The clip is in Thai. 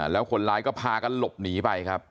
แล้วคนร้ายก็พากันหลบหนีไปครับ